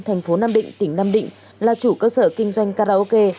thành phố nam định tỉnh nam định là chủ cơ sở kinh doanh karaoke